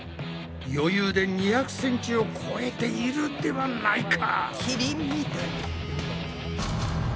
余裕で２００ｃｍを超えているではないか！